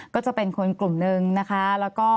ก็จะเป็นคนกลุ่มนึงนะคะแล้วก็